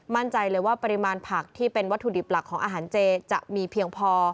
มั่นใจเลยว่าปริมาณผักที่เป็นวัตถุดิบหลักของอาหารเจจะมีเพียงพอ